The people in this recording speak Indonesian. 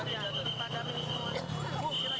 di padangin semua